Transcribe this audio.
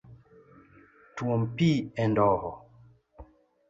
Twom pi e ndoho.